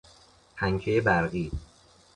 پنکه برقی